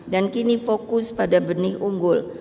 dan kini fokus pada benih unggul